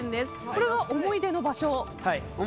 これは思い出の場所？